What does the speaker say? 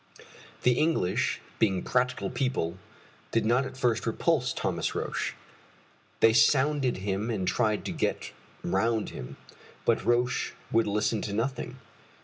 The English being practical people, did not at first repulse Thomas Roch. They sounded him and tried to get round him; but Roch would listen to nothing.